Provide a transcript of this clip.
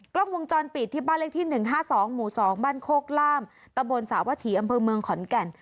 กล้องวงจรปิดที่บ้านเลขที่๑๕๒หมู่๒บ้านโคกล่ามตะบนสาวถีอำเภอเมืองขอนแก่น